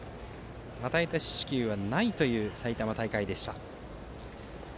与えた四死球がないという埼玉大会でした。